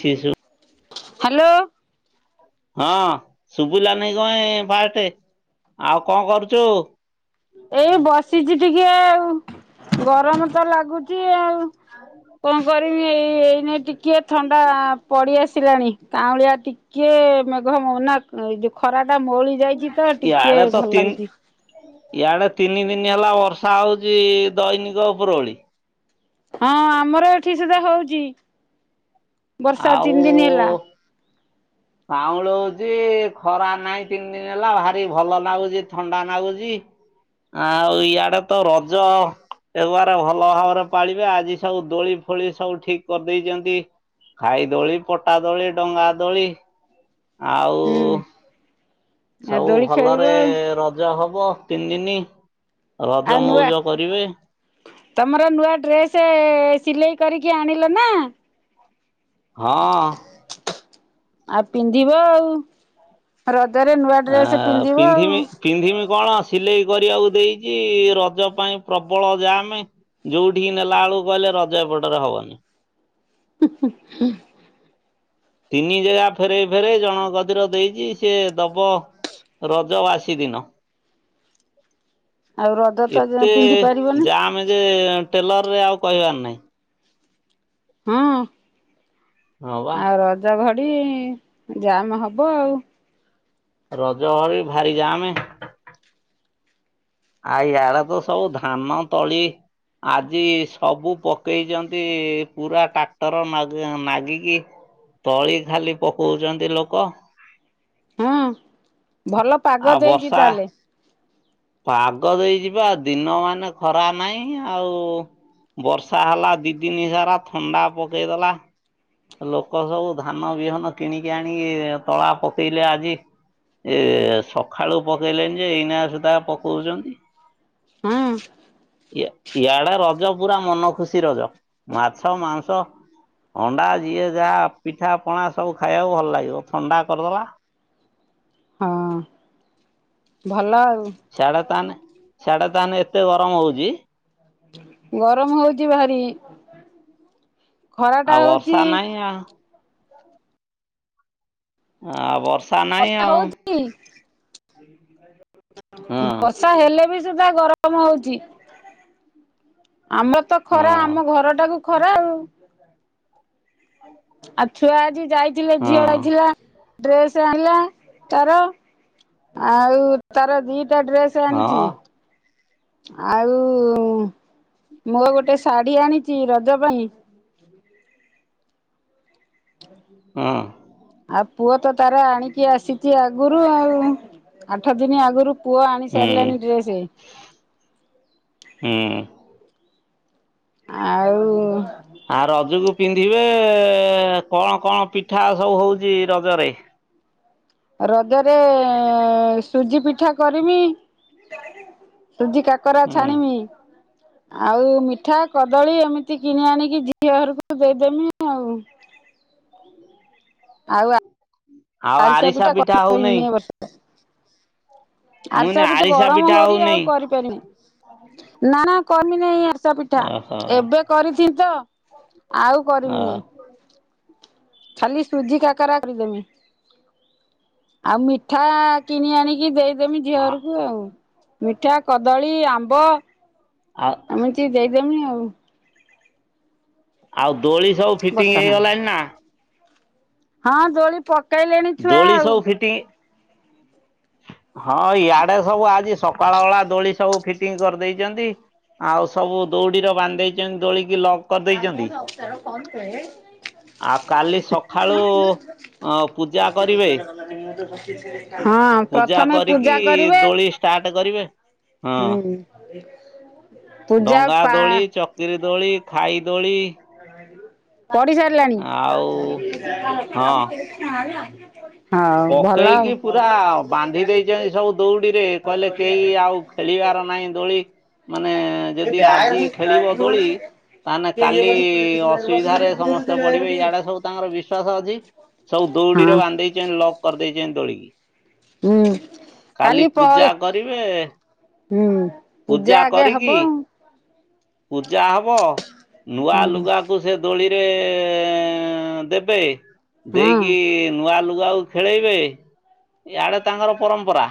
ଛିି ଷୁ ହ୍ୟାଲୋ ହଁ ଶୁଭିଲା ନାଇ କଣ ଏଁ ଫାଷ୍ଟେ। ଆଉ କଣ କରୁଛୁ? ଏଇ ବସିଛି ଟିକେ ଆଉ ଗରମ ତ ଲାଗୁଛି ଆଉ। କଣ କରିବି ଏଇ ଏଇନ ଟିକେ ଥଣ୍ଡା ପଡିଆସୁ ଠିଲାଣି କାଉଁଳିଆ ଟିକେ ମେଘ ମ ନା ଏଯେ ଖରାଟା ମଉଳି ଯାଇଛି ତ ଟିକେ ଇଆଡେ ତ ଭଲ ତିନି ଲାଗୁଛି। ଇଆଡେ ତିନି ଦିନ ହେଲା ବର୍ଷା ହଉଛି ଦୈନିକ ଉପରୁ ଭଳି। ହଁ ଆମର ଏଠି ସୁଧା ହଉଛି ବର୍ଷା ତିନି ଦିନ ହେଲା। ଚାଉଳ ହଉଛି ଖରା ନାହିଁ ତିନି ଦିନ ହେଲା ଭାରି ଭଲ ଲାଗୁଛି ଥଣ୍ଡା ଲାଗୁଛି। ଆଉ ଇଆଡେ ତ ରଜ ଏବାର ଭଲ ଭାବରେ ପାଳିବେ ଆଜି ସବୁ ଦୋଳି ଫୋଳି ସବୁ ଠିକ କରିଦେଇଛନ୍ତି। ଖାଇ ଦୋଳି, ପଟା ଦୋଳି, ଡଙ୍ଗା ଦୋଳି ଆଉ ହୁଁ। ଆଉ ସବୁ ଦୋଳି ଖେଳିବ ଭଲରେ ଆଉ ର ଜ ହବ ତିନି ଦିନ ଆଉ ରଜ ନୂଆ ମଉଜ କରିବେ। ତମର ନୂଆ ଡ୍ରେସ ସିଲେଇ କରିକି ଆଣିଲ ନା? ହଁ। ଆଉ ପିନ୍ଧିବ ଆଉ। ରଜରେ ନୂଆ ଆ ଡ୍ରେସ ପିନ୍ଧିବ ଆଉ। ପିନ୍ଧିମି ପିନ୍ଧିମି କଣ ସିଲେଇ କରିବାକୁ ଦେଇଛି ରଜ ପାଇଁ ପ୍ରବଳ ଯାମେଁ। ଯୋଉଠିିକି ନେଲାବେଲକୁ କହିଲେ ରଜ ଏପଟରେ ହବନି। ହୁଁ ହୁଁ ହୁଁ। ତିନି ଜାଗା ଫେରେ ଫେରେ ଜଣ କତିରେ ଦେଇଛି ସିଏ ଦବ ରଜ ବାସି ଦିନ। ଆଉ ରଜ ତ ଏତେ ପିନ୍ଧି ପାରିବନି ଯାଆ ଯେ ଟେଲର ରେ ଆଉ କହିବାର ନାହିଁ। ହଁ ହଁ ବା ଆଉ ରଜଘଡି ଜାମ ହବ ଆଉ। ରଜ ଘଡି ଭାରି ଯାମେ ଆଉ ୟାଡା ତ ସବୁ ଧାନ ତଳି ଆଜି ସବୁ ପକେଇଛନ୍ତି ପୁରା ଟ୍ରାକ୍ଟର ନଅ ଗିକି ତଳି ଖାଲି ପକଉଛନ୍ତି ଲୋକ। ହଁ ଭଲ ପାଗ ଆଉ ଦେଇଛି ବର୍ଷା ତାହେଲେ। ପାଗ ଦେଇଯିବା ଆଉ ଦିନ ମାନେ ଖରା ନାହିଁ ଆଉ ବର୍ଷା ହେଲା ଦିଦିନି ସାରା ଥଣ୍ଡା ପକେଇଦେଲା। ଲୋକ ସବୁ ଧାନ ବିହନ କିଣିକି ଆଣିକି ତଳା ପକେଇଲେ ଆଜି। ଏ ସକାଳୁ ପକେଇଲେଣି ଯେ ଏଇନା ସୁଧା ପକଉଛନ୍ତି। ହଁ। ଇଆଡେ ରଜ ପୁରା ମନ ଖୁସି ରଜ। ମାଛ, ମାଂସ ଅଣ୍ଡା ଯିଏ ଯାହା ପିଠା ପଣା ସବୁ ଖାଇବାକୁ ଭଲ ଲାଗିବ ଥଣ୍ଡା କରିଦେଲା। ହଁ ଭଲ ଆଉ। ସିଆଡେ ତାହାନେ ସିଆଡେ ତାହାନେ ଏତେ ଗରମ ହଉଛି ଗରମ ହଉଛି ଭାରି ଖରା ଟା ଆଉ ବର୍ଷା ହଉଛି ନାହିଁ ଆଉ। ହଁ ବର୍ଷ ବର୍ଷା ହେଉଛି। ହଁ ବର୍ଷା ହେଲେ ବି ସୁଧା ଗରମ ମ ହଉ ଆମ ତ ହଁ ଖରା ଆମ ଘର ଟାକୁ ଖରା ଆଉ। ଆଉ ଛୁଆ ଆଜି ଯାଇଥିଲେ ହଁ ଝିଅ ଯାଇଥିଲା ଡ୍ରେସ ଆଣିଲା ତାର ଆଉ ତାର ଦିଟା ଡ୍ରେଶ ସ ଆଣିଛି। ହଁ ଆଉ ମୁଁ ଗୋଟେ ଶାଢ଼ୀ ଆଣିଛି ରଜ ପାଇଁ। ହ ହୁ। ହଁ। ଆଉ ପୁଅ ତ ତାର ଆଣିକି ଆସିଛି ଆଗରୁ ଆଉ ଆଠ ଦିନ ଆଗରୁ ପୁଅ ଆଣି ହୁଁ ସାରିଲାନି ଡ୍ରେସ। ହୁଁ। ଆଉ ହୁ। ଆ ରଜକୁ ପିନ୍ଧିବେ କଣ କଣ ପିଠା ସବୁ ହଉଛି ରଜରେ? ରଜରେ ସୁଜି ପିଠା କରିବି। ସୁଜି କାକରା ହୁଁ ଛାଣିମି। ଆଉ ମିଠା, କଦଳୀ, ଏମିତି କିଣି ଆଣିକି ଝିଅ ଘରକୁ ଦେଇଦେବି ଆଉ। ଆଉ ଆଉ ଆାରସା ଆରିସା ପିଠା କଣ ହଉନେଇ କରିବୁନି ଏଇ ବର୍ଷ। ମୁଁ କହିନି ଆରସା ପିଠା ଆରିସା ଗରମ ହଉଛି ଆଉ ହଉନେଇ। କରିପାରିନି। ନା ନା କରି ନାହିଁ ଆରସା ପିଠା ଓହୋ ଏବେ କରିଚି ତ ଆଉ ହ କରିବି ନାଇଁ। ଖାଲି ସୁଜି କାକରା କରିିଦେବି। ଆଉ ମିଠା କିଣି ଆଣିକି ଦେଇ ଦେମି ଝିଅ ଘରକୁ ଆଉ, ମିଠା, କଦଳୀ, ଆମ୍ବ ଆଉ ଏମିତି ଦେଇ ଦେମି ଆଉ। ଆଉ ଦୋଳି ସବୁ ବସା ଫିଟିଙ୍ଗ ନାହିଁ। ହେଇଗଲାଣି ନା? ହଁ ଦୋଳି ପକେଇଲେଣି ଛୁଆ ଆଉ। [unintelligible] ହୁଁ ହଁ ଇଆଡେ ସବୁ ଆଜି ସକାଳ ଓଳା ଦୋଳି ସବୁ ଫିଟିଙ୍ଗ କରିଦେଇଛନ୍ତି। ଆଉ ସବୁ ଦୌଡ଼ିର ବାନ୍ଧେଇଛନ୍ତି ଦୋଳିକି ଲଗ [unintelligible] ଆଉ କାଲି ସଖାଳୁ ହଁ ପୂଜା କରିବେ। ହଁ ପୂଜା ପ୍ରଥମେ କରିକି ପୂଜା କରିବେ। ଦୋଳି ଚାର୍ଟ କରିବେ। ହଁ। ହୁଁ ପୂଜା ପା ଚକ୍ରୀ ଦୋଳି ଖାଇ ଦୋଳି ପଢି ସାରିଲାଣି। ଆଉ ହଁ ଆ [unintelligible] ପକେଇକି ପୁରା ବାନ୍ଧି ଦେଇଛନ୍ତି ସବୁ ଦୌଡିରେ କହିଲେ କେହି ଆଉ ଖେଳିବାର ନାହିଁ ଦୋଳି ମାନେ ହୁଁ। ଯଦି ଆଜି ଖେଳିବ ଦୋଳି। ତାନେ କାଲି ଅସୁବିଧା ରେ ସମସ୍ତେ ପଡିବେ ଇଆଡେ ସବୁ ତାଙ୍କର ବିଶ୍ଵାସ ଅଛି। ସବୁ ଦୌଡିରେ ବାନ୍ଧି ଦେଇଛନ୍ତି ଲକ୍ କରିଦେଇଛନ୍ତି ଦୋଳିକି। ହୁଁ। କାଲି ପଲ୍ ପୂଜା କରିବେ ହୁଁ ପୂଜା ଆଗେ ହବ। ପୂଜା ହବ ନୂଆ ହୁଁ ଲୁଗା କୁ ଦୋଳି ରେ ଦେବେ ହଁ ଦେଇକି ନୂଆ ଛୁଆ ଖେଳେଇବେ ଇଆଡେ ତାଙ୍କର ପରମ୍ପରା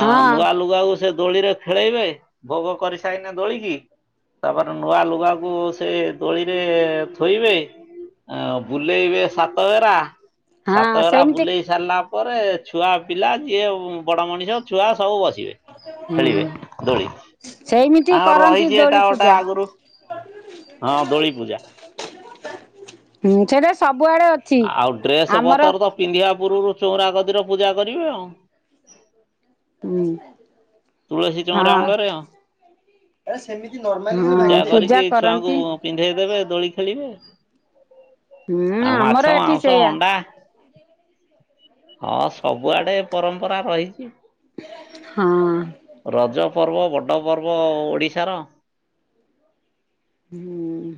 ହଁ ନୂଆ ଲୁଗାକୁ ସେ ଦୋଳିରେ ଖେଳେଇବେ ଭୋଗ କରିସାରିନେ ଦୋଳିିକି। ତାପରେ ନୂଆ ଲୁଗାକୁ ସେ ଦୋଳିରେ ଥୋଇବେ। ହ ବୁଲେଇବେ ସାତ ଘେ। ହଁ ସାତଘେରା ସେମିତି ବୁଲେଇ ସାରିଲା ପରେ ଛୁଆ ପିଲା ଯିଏ ବଡ ମଣିଷ ଛୁଆ ସବୁ ବସିବେ ହୁଁ ଖେଳିବେ ଦୋଳି। ସେଇମିତି ହଁ କରନ୍ତି ରହିଛି ଦୋଳି ଏଟା ଗୋଟେ ପୂଜା ଆଗରୁ ହଁ ଦୋଳି ପୂଜା। ହୁଁ ସେଟା ସବୁଆଡେ ଅଛି ଆଉ ଡ୍ରେସ ଆମର ପତର ତ ପିନ୍ଧିବା ପୂୁରରୁ ଚଉରା କତିରେ ପୂଜା କରିବେ ଆଉ। ହୁଁ। ତୁଳସୀ ଚଉରା ମୂଳରେ ଆଉ ହଁ ପୂଜା କରନ୍ତି। ପିନ୍ଧେଇଦବେ ଦୋଳି ଖେଳିବେ ହୁଁ ଆଉ, ଆମର ମାଛ, ଏଠି ମାଉଁସ, ସେଇଆ ଅଣ୍ଡା। ହଁ ସବୁଆଡେ ପରମ୍ପରା ରହିଛି ହଁ ରଜ ପର୍ବ ବଡ଼ ପର୍ବ ଓଡ଼ିଶାର ହୁଁ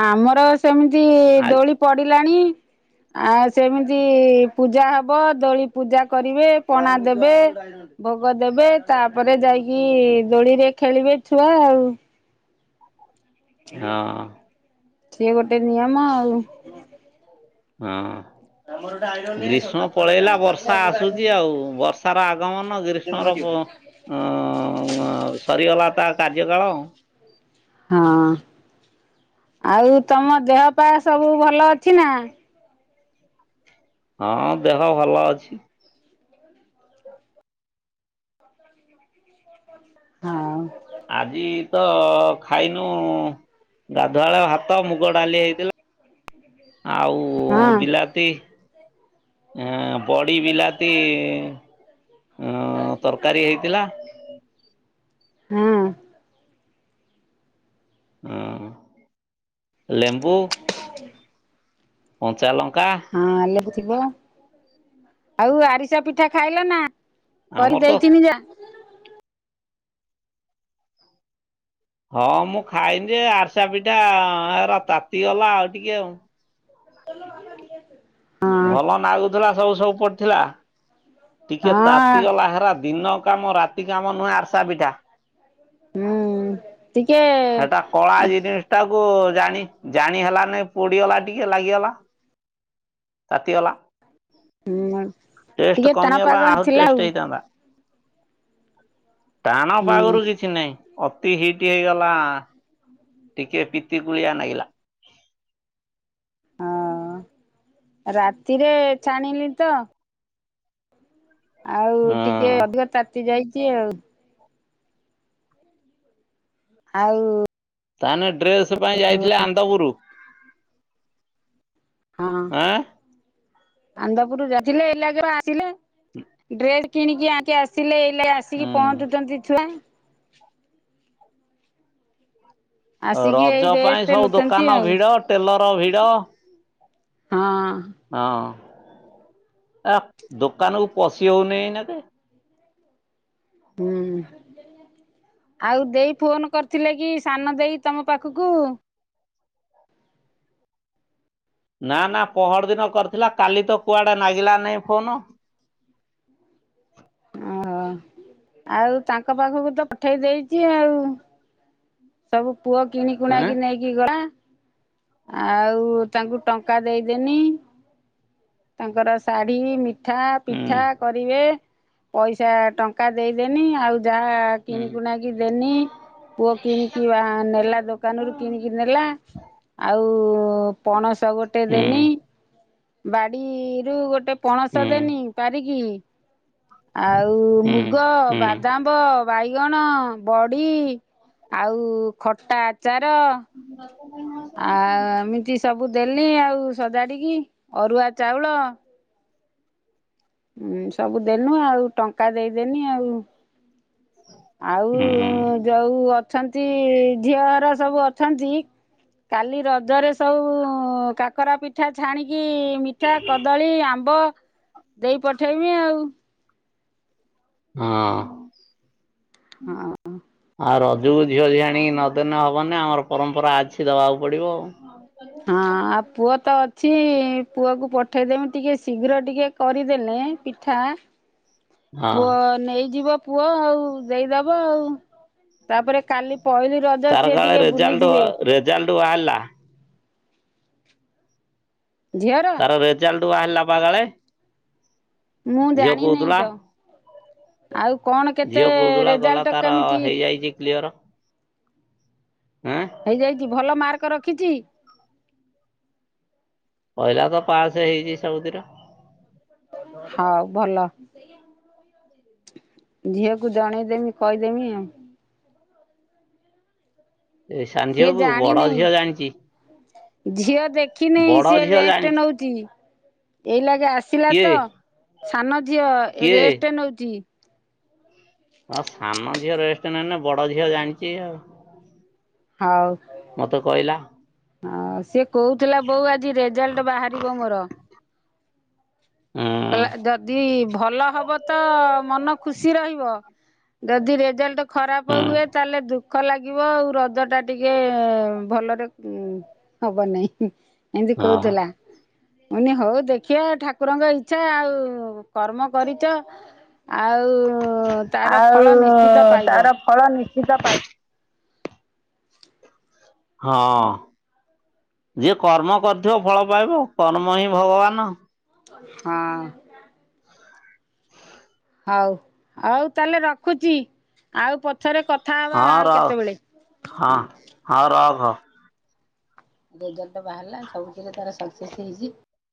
ଆମର ସେମିତି ଆ ଦୋଳି ପଡିଲାଣି ଆଉ ସେମିତି ପୂଜା ହବ ଦୋଳି ପୂଜା କରିବେ ପଣା ଦେବେ ଭୋଗ ଦେବେ ତାପରେ ଯାଇକି ଦୋଳିରେ ଖେଳିବେ ଛୁଆ ଆଉ। ହଁ ସିଏ ଗୋଟେ ନିୟମ ଆଉ। ଉଁ। ଆମର ଗୋଟେ ଆଇଁଲ। ଗ୍ରୀଷ୍ମ ପଳେଇଲା ବର୍ଷା ଆସୁଛି ଆଉ ବର୍ଷାର ଆଗମନ ଗ୍ରୀ କେମିତି କରିବ? ଉଁ ଉଁ ସରିଗଲା ତା କାର୍ଯ୍ୟକାଳ। ହଁ ଆଉ ତମ ଦେହ ପା ସବୁ ଭଲ ଅଛି ନା? ହଁ ଦେହ ଭଲ ଅଛି। ହଁ ଉ। ଆଜି ତ ଖାଇନୁ ଗାଧୁଆଳ ହାତ ମୁଗ ଡାଲି ହେଇଥିଲା ଆଉ ହଁ ବିଲାତି ଆ ବଡ଼ି ବିଲାତି ତରକାରୀ ହେଇଥିଲା ହଁ। ହଁ ଲେମ୍ବୁ କଞ୍ଚାଲଙ୍କା ହଁ ଲେମ୍ବୁଥିବ ଆଉ ଆରିସା ପିଠା ଖାଇଲ ନା? କରି ଆମର ତ ଦେଇଥିନି ଯା। ହଁ ମୁଁ ଖାଇନି ଯେ ଆରସା ପିଠା ଏର ତାତିଗଲା ଆଉ ଟିକେ ଆଉ। ବେଲ ବାପା ଦିଆସିଲି। ଭଲ ନାଗୁଥିଲା ସବୁ ସବୁ ପଡିଥିଲା। ଟିକେ ହଁ ତାତିଗଲା ହେରା ଦିନ କାମ ରାତି କାମ ନୁହେଁ ଆର୍ସା ପିଠା। ହୁଁ ଟିକେ ତାକୁ ଜାଣି ଜାଣି ହେଲା ନାଇ ପୋଡିଗଲା ଟିକେ ଲାଗିଗଲା। ତାତିଗଲା ହୁଁ ଟଷ୍ଟ ଟିକେ ଟାଣ ପାଗ କମିଗଲା ଆହୁରି ହେଇଥିଲା ଆଉ ଟେଷ୍ଟ ହେଇଥାନ୍ତା। ଟାଣ ହୁଁ। ପାାଗରୁ କିଛି ନାହିଁ ଅତି ହିଟ୍ ହେଇଗଲା। ଟିକେ ପିତି କୁଳିଆ ନାଗିଲା। ହଁ ରାତିରେ ଛାଣିଲି ତ ଆଉ ଟିକେ ହଁ ଅଧିକ ତାତି ଯାଇଛି ଆଉ। ଆଉ ତାନେ ଡ୍ରେସ ପାଇଁ ଯାଇଥିଲେ ଆନ୍ଦପୁରୁ? ହଁ। ଆଁ ଆନ୍ଦପୁର ଯାଇଥିଲେ ଏଇଲାକେ ବା ଆସିଲେ ଡ୍ରେସ କିଣିକି ଆଣି ଆସିଲେ। ହେଲେ ଆସିକି ହୁଁ। ପହଞ୍ଚୁଛନ୍ତି ଛୁଆ। ଆସିକି ଏଇ ରଜ ପାଇଁ ରେଷ୍ଟ ସବୁ ନଉଛନ୍ତି ଦୋକାନ ଆଉ ଭିଡ ଟେଲର ଭିଡ ହଁ। ହଁ ଆ ଦୋକାନକୁୁ ପଶି ହଉନି ଏଇନେକେ। ହୁଁ। ଆଉ ଦେଇ ଫୋନ କରିଥିଲେ କି ସାନ ଦେଇ ତମ ପାଖକୁ। ନା ନା ପହଡ ଦିନ କରିଥିଲା କାଲି ତ କୁଆଡେ ଲାଗିଲା ନାହିଁ ଫୋନ। ଓ ଆଉ ତାଙ୍କ ପାଖକୁ ତ ପଠେଇ ଦେଇଛି ଆଉ। ତାକୁ କୁଅ କିଣିକୁୁଣା ଏଁ କିି ନେଇ ଗଲା। ଆଉ ତାଙ୍କୁ ଟଙ୍କା ଦେଇଦେନି। ତାଙ୍କର ଶାଢୀ, ମିଠା, ହୁଁ ପିଠା କରିବେ। ପଇସା ଟଙ୍କା ଦେଇଦେନି ଆଉ ଯାହା ହୁଁ କିଣିକୁଣା କି ଦେନି ପୁଅ କିଣିକି ବା ନେଲା ଦୋକାନ ରୁ କିଣି କିରି। ନେଲା। ଆଉ ପଣସ ଗୋଟେ ହୁଁ ଦେନି। ବାଡିରୁ ଗୋଟେ ପଣସ ହୁଁ ଦେନି ପାରିକି। ଆଉ ହୁଁ ମୁଗ, ହୁଁ ବାଦାମ ମୁଗ, ବାଇଗଣ, ବଡି, ଆଉ ଖଟା ଆଚାର [unintelligible] ଆଉ ଏମିତି ସବୁ ଦେଲି ଆଉ ସଜାଡିକି ଅରୁଆ ଚାଉଳ। ହୁଁ ସବୁ ଦେନୁ ଆଉ ଟଙ୍କା ଦେଇଦେନି ଆଉ। [unintelligible] ଆଉ ହୁଁ ହଁ। ଯୋଉ ଅଛନ୍ତି ଝିଅ ଘର ସବୁ ଅଛନ୍ତି। କାଲି ରଜରେ ସବୁ କାକରା ପି ପିଠା ଛାଣିକି ମିଠା କଦଳୀ ଆମ୍ବ ଦେଇ ପଠେଇମି ଆଉ। ହଁ। ହଁ। ଆଉ ରଜକୁ ଝିଅ ଝିଆଣି କି ନଦେଲେ ହବନି ଆମର ପରମ୍ପରା ଅଛି ଦବାକୁ ପଡିବ। ହଁ ଆଉ ପୁଅ ତ ଅଛି ପୁଅକୁ ପଠେଇଦେମି ଟିକେ ଶୀଘ୍ର ଟିକେ କରିଦେଲେ ପିଠା ହଁ ପୁଅ ନେଇଯିବ। ପୁଅ ଆଉ ଦେଇଦବ ଆଉ, ତାପରେ କାଲି ପହିଲି ର ତାର କାଳେ ରେଜାଲଟ୍ ରେଜାଲଟ୍ ବାହାରିଲା। ଝିଅର ତାର ରେଜାଲଟ୍ ବାହାରିଲା ବା କାଳେ। ମୁଁ ଝିଅ ଜାଣିନେଇ କହୁଥିଲା। ତ ଆଉ କଣ? କେତେ ଝିଅ କହୁଥିଲା କଇଲା ରେଜାଲ୍ଟ ତାର କେମିତି ହେଇଯାଇଛି କ୍ଲିଅର ଆଁ। ହେଇଯାଇଛି ଭଲ ମାର୍କ ରଖିଛି? କହିଲା ତ ପାସ ହେଇଛି ସବୁଥିର। ହଉ ଭଲ। ଝିଅକୁ ଜଣେଇଦେମି କହିଦେମି ଆଉ। ଏଇ ସାନ ଝିଅ ସିଏ କୁ ବଡ ଜାଣିନେଇ ଝିଅ ଜାଣିଛି। ଝିଅ ଦେଖିନେଇ ବଡ ସିଏ ଝିଅ ରେଷ୍ଟ ଜାଣିଛି ନଉଛି। ଏଇଲାଗେ ଆସିଲା କିଏ ତ ସାନ ଝିଅ କିଏ ରେଷ୍ଟ ନଉଛି। ହଁ ସାନ ଝିଅ ରେଷ୍ଟ ନେଇନି ବଡ ଝିଅ ଜାଣିଛି ଆଉ ହଉ। ମତେ କହିଲା। ହଁ ସିଏ କହୁଥିଲା ବୋଉ ଆଜି ରେଜାଲ୍ଟ ବାହାରିବ ମୋର। ହୁଁ କହିଲା ଯଦି ଭଲ ହବ ତ ମନ ଖୁସି ରହିବ ଯଦି ରେଜଲ୍ଟ ଖରାପ ହୁଁ ହୁଏ ତାହେଲେ ଦୁଃ ଖ ଲାଗିବ ଆଉ ରଜ ଟା ଟିକେ ଭଲରେ ହବ ନାହିଁ। ଏମିତି ହଁ। କହୁଥିଲା। ମୁୁନି ହଉ ଦେଖିବା ଠାକୁରଙ୍କ ଇଚ୍ଛା ଆଉ କର୍ମ କରିଛ ଆଉ ତାର ଆଉ ଫଳ ନିଶ୍ଚିତ ପାଇବ। ତାର ଫଳ ନିଶ୍ଚିତ ପାଇ ହଁ ଯିଏ କର୍ମ କରିଥିବ ଫଳ ପାଇବ କର୍ମ ହିଁ ଭଗବାନ। ହଁ। ହଉ ହଉ ତାହେଲେ ରଖୁଛି ଆଉ ପଛରେ କଥା ହେବା ହଁ ଆଉ ରହ କେତେବେଳେ। ହଁ ହଁ ରଖ। ରେଜଲ୍ଟ ଟା ବାହାରିଲା ସବୁଥିରେ ତାର ସକ୍ସେସ ହେଇଛି।